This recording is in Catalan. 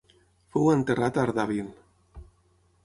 Fou enterrat a Ardabil.